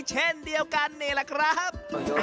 เช่นเดียวกันนี่แหละครับ